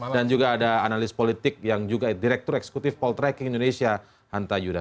dan juga ada analis politik yang juga direktur eksekutif poltrek indonesia hanta yudha